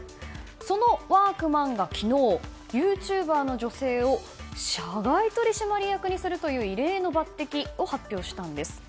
そのワークマンが昨日、ユーチューバーの女性を社外取締役にするという異例の抜擢を発表したんです。